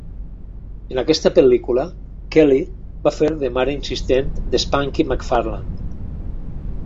En aquesta pel·lícula, Kelly va fer de mare insistent de Spanky McFarland.